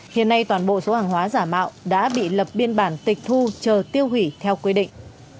hiện nay toàn bộ số hàng hóa giả mạo đã bị lập biên bản tịch thu chờ tiêu hủy theo quy định